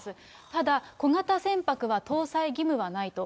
ただ、小型船舶は搭載義務はないと。